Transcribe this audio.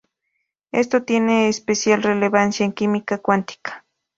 Esto tiene especial relevancia en química cuántica.